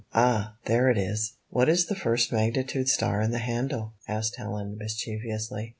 Ah! there it is!" "What is the first magnitude star in the handle?" asked Helen, mischievously.